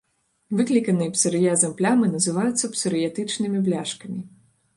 Выкліканыя псарыязам плямы называюцца псарыятычнымі бляшкамі.